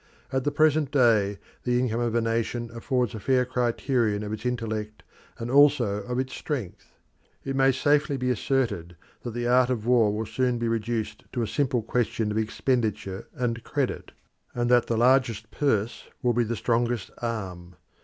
At the present day the income of a nation affords a fair criterion of its intellect and also of its strength. It may safely be asserted that the art of war will soon be reduced to a simple question of expenditure and credit, and that the largest purse will be the strongest arm.